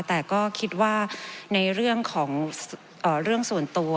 แต่ก็คิดว่าในเรื่องของเรื่องส่วนตัว